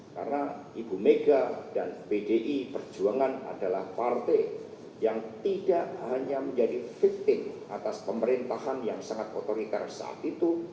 karena ibu mega dan pdi perjuangan adalah partai yang tidak hanya menjadi victim atas pemerintahan yang sangat otoritar saat itu